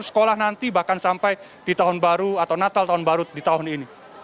sekolah nanti bahkan sampai di tahun baru atau natal tahun baru di tahun ini